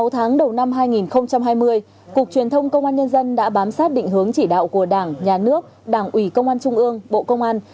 sáu tháng đầu năm hai nghìn hai mươi cục truyền thông công an nhân dân đã bám sát định hướng chỉ đạo của đảng nhà nước đảng ủy công an trung ương bộ công an